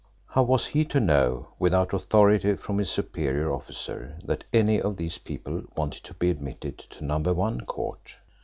How was he to know without authority from his superior officer that any of these people wanted to be admitted to Number One Court?